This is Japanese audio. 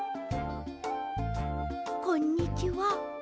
こんにちは。